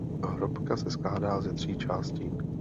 Hrobka se skládá ze tří částí.